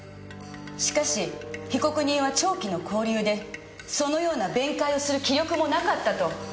しかし被告人は長期の勾留でそのような弁解をする気力もなかったと弁護人は主張します。